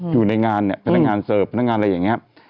อยู่ในงานเนี่ยพนักงานเสิร์ฟพนักงานอะไรอย่างนี้